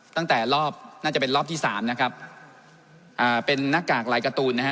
ตั้งแต่รอบน่าจะเป็นรอบที่สามนะครับอ่าเป็นหน้ากากลายการ์ตูนนะฮะ